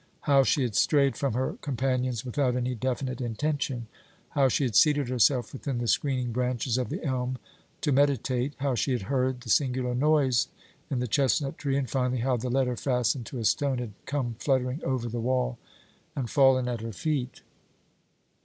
How she had strayed from her companions without any definite intention; how she had seated herself within the screening branches of the elm to meditate; how she had heard the singular noise in the chestnut tree, and, finally, how the letter, fastened to a stone, had come fluttering over the wall and fallen at her feet.